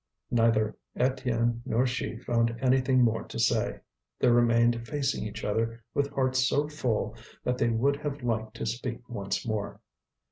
Neither Étienne nor she found anything more to say. They remained facing each other with hearts so full that they would have liked to speak once more.